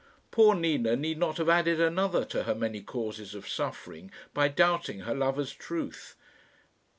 Poor Nina need not have added another to her many causes of suffering by doubting her lover's truth.